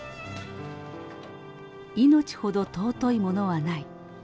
命ほど尊いものはない。